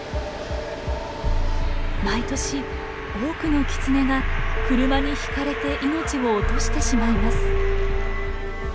毎年多くのキツネが車にひかれて命を落としてしまいます。